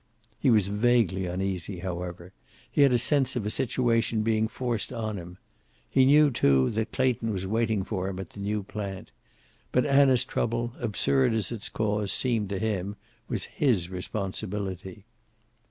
He was vaguely uneasy, however. He had a sense of a situation being forced on him. He knew, too, that Clayton was waiting for him at the new plant. But Anna's trouble, absurd as its cause seemed to him, was his responsibility.